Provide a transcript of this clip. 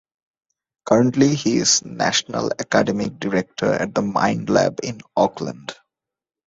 Currently he is National Academic Director at The Mind Lab in Auckland.